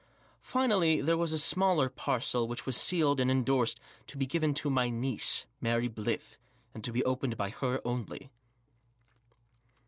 Finally, there was a smaller parcel which was sealed and endorsed " To be given to my niece, Mary Blyth, and to be opened by her only."